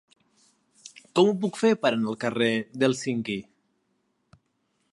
Com ho puc fer per anar al carrer d'Hèlsinki?